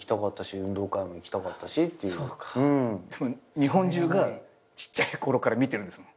日本中がちっちゃいころから見てるんですもん。